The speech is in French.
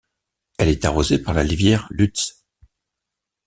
Elle est arrosée par la rivière Luts.